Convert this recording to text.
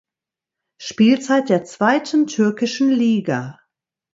Spielzeit der Zweiten türkischen Liga.